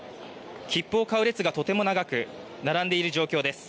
切符を買う列がとても長く並んでいる状況です。